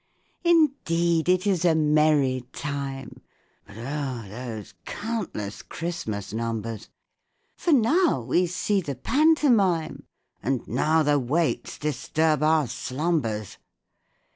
_) Indeed it is a merry time; (But O! those countless Christmas numbers!) For now we see the pantomime, (_And now the waits disturb our slumbers.